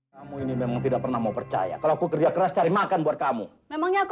kamu ini memang tidak pernah mau percaya kalau aku kerja keras cari makan buat kamu